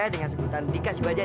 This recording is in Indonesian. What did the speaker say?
dengan sebutan dika sibajak